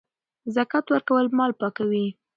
زکات ورکول مال پاکوي.